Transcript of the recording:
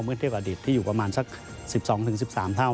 เทียบกับอดีตที่อยู่ประมาณสัก๑๒๑๓เท่า